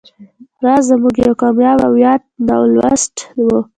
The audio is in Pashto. راز زموږ یو کامیاب او یاد ناولسټ و